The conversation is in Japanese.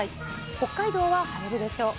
北海道は晴れるでしょう。